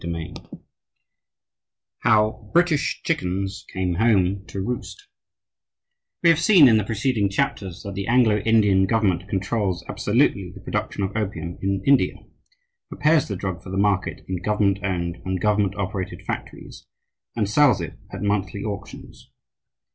VII HOW BRITISH CHICKENS CAME HOME TO ROOST We have seen, in the preceding chapters, that the Anglo Indian government controls absolutely the production of opium in India, prepares the drug for the market in government owned and government operated factories, and sells it at monthly auctions.